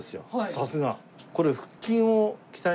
さすが。